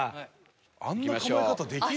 あんな構え方できる？